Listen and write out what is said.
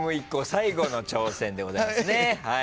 最後の挑戦でございますね。